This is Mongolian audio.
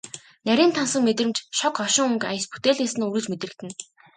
Нарийн тансаг мэдрэмж, шог хошин өнгө аяс бүтээлээс нь үргэлж мэдрэгдэнэ.